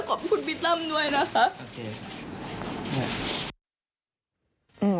โอเค